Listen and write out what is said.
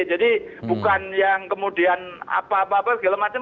jadi bukan yang kemudian apa apa segala macam